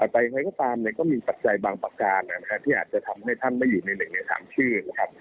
ไปไหนก็ตามก็มีปัจจัยบางประกาศที่อาจจะทำให้ท่านไม่อยู่ใน๑อย่าง๓ชื่อ